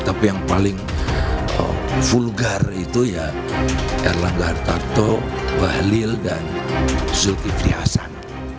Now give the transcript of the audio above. tapi yang paling vulgar itu ya erlangga hartarto bahlil dan zulkifli hasan